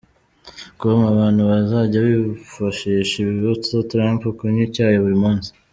com, abantu bazajya bifashisha bibutsa Trump kunywa icyayi buri munsi.